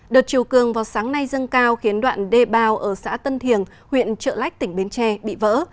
đợt chiều cường vào sáng nay dâng cao khiến đoạn đê bào ở xã tân thiền huyện trợ lách tỉnh bến tre bị vỡ